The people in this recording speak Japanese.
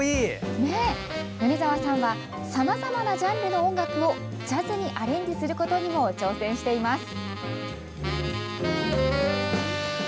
米澤さんはさまざまなジャンルの音楽をジャズにアレンジすることにも挑戦しています。